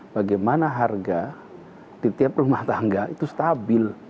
bagaimana harga di tiap rumah tangga itu stabil